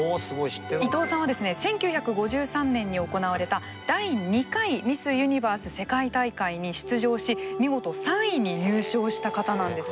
伊東さんはですね１９５３年に行われた第２回ミス・ユニバース世界大会に出場し見事３位に入賞した方なんです。